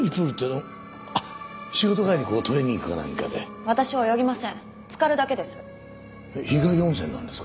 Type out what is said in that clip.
日帰り温泉なんですか？